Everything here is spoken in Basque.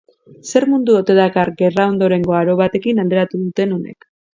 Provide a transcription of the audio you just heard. Zer mundu ote dakar gerra-ondorengo aro batekin alderatu duten honek?